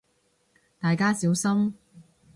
大家小心